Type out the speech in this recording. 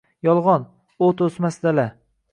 — Yolg’on — o’t o’smas dala.